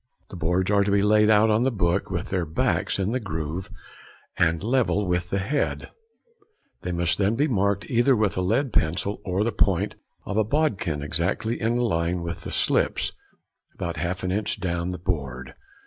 The boards are to be laid on the book with their backs in the groove and level with the head; they must then be marked either with a lead pencil or the point of a bodkin exactly in a line with the slips, about half an inch down the board.